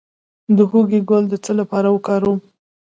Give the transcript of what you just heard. د هوږې ګل د څه لپاره وکاروم؟